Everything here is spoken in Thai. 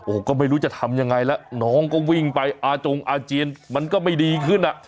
โอ้โหก็ไม่รู้จะทำยังไงแล้วน้องก็วิ่งไปอาจงอาเจียนมันก็ไม่ดีขึ้นอ่ะ